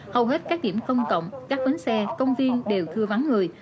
hầu hết các điểm công cộng các bến xe công viên đều cưa vắng người